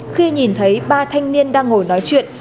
khi nhìn thấy ba thanh niên đang ngồi nói chuyện